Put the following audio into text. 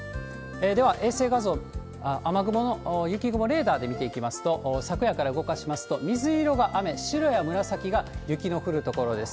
では、衛星画像、雨雲の、雪雲レーダーで見ていきますと、昨夜から動かしますと、水色が雨、白や紫が雪の降る所です。